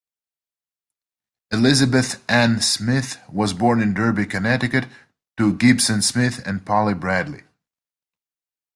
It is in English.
Elizabeth Ann Smith was born in Derby, Connecticut to Gibson Smith and Polly Bradley.